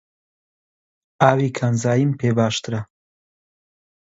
ئاوی کانزاییم پێ باشترە.